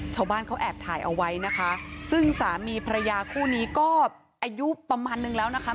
ชาวบ้านเขาแอบถ่ายเอาไว้นะคะซึ่งสามีภรรยาคู่นี้ก็อายุประมาณนึงแล้วนะคะ